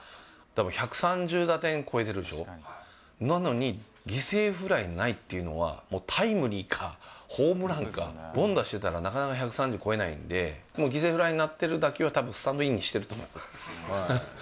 たぶん１３０打点超えてるでしょ、なのに、犠牲フライないっていうのは、もうタイムリーかホームランか、凡打してたらなかなか１３０超えないんで、もう犠牲フライになってる打球は、たぶんスタンドインしてると思う。